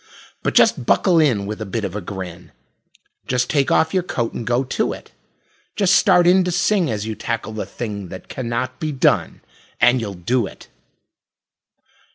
But just buckle in with a bit of a grin, Just take off your coat and go to it; Just start in to sing as you tackle the thing That "cannot be done," and you'll do it.